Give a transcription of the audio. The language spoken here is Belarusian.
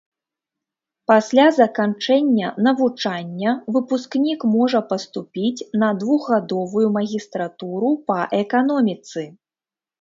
Пасля заканчэння навучання выпускнік можа паступіць на двухгадовую магістратуру па эканоміцы.